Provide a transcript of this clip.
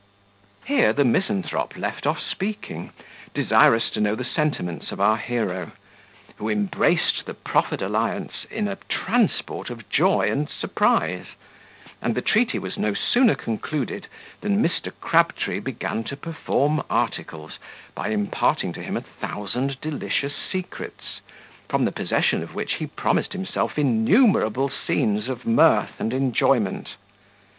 Here the misanthrope left off speaking, desirous to know the sentiments of our hero, who embraced the proffered alliance in a transport of joy and surprise; and the treaty was no sooner concluded, than Mr. Crabtree began to perform articles, by imparting to him a thousand delicious secrets, from the possession of which he promised himself innumerable scenes of mirth and enjoyment.